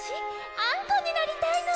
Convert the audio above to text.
あんこになりたいの」